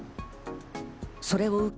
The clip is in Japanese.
それを受け